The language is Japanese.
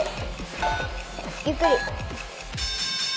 ゆっくり！